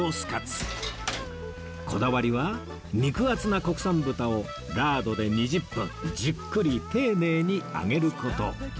こだわりは肉厚な国産豚をラードで２０分じっくり丁寧に揚げる事